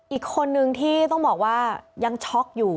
อีกคนนึงที่ต้องบอกว่ายังช็อกอยู่